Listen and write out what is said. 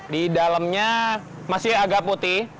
di dalamnya masih agak putih